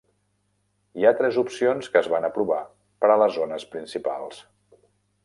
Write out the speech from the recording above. Hi ha tres opcions que es van aprovar per a les zones principals.